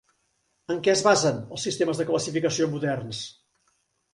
En què es basen els sistemes de classificació moderns?